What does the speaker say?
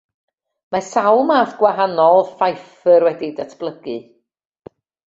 Mae sawl math gwahanol fyffer wedi'u datblygu.